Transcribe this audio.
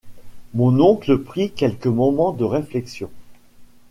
Mon oncle prit quelques moments de réflexion.